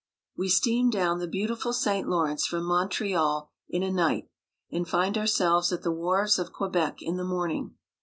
We steam down the beautiful St. Lawrence from Mon treal in a night, and find ourselves at the wharves of Que bec in the morning.